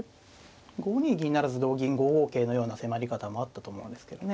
５二銀不成同銀５五桂のような迫り方もあったと思うんですけどね。